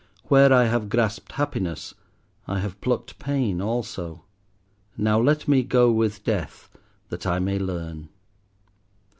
Where I have grasped happiness I have plucked pain also. Now let me go with Death that I may learn.."